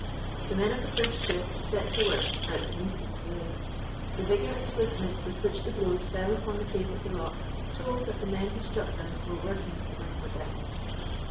The men of the first shift set to work without an instant's delay. The vigour and swiftness with which the blows fell upon the face of the rock told that the men who struck them were working for life or death.